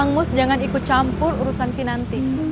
kang mus jangan ikut campur urusan ki nanti